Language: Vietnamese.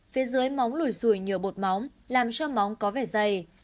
phía dưới móng lùi xùi nhờ bột móng làm cho móng có vẻ dày